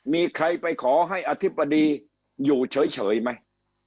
มีใครไปขอให้อธิบดีอยู่เฉยไหม